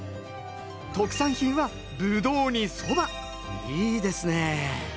特産品はぶどうにそばいいですね！